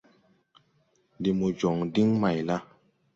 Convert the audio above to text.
Ndi mo jɔŋ diŋ mayla ?